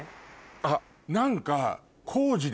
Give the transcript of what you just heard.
あっ何か。